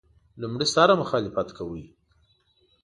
لومړي سره مخالفت کاوه.